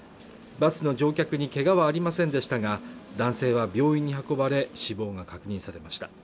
バスの乗客にけがはありませんでしたが男性は病院に運ばれ死亡が確認されました